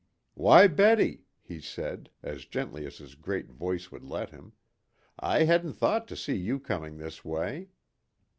"Why, Betty," he said, as gently as his great voice would let him, "I hadn't thought to see you coming this way."